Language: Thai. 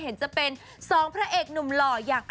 เห็นจะเป็น๒พระเอกหนุ่มหล่ออย่าง